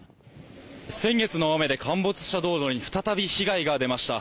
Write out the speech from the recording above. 先月の大雨で陥没した道路に再び被害が出ました。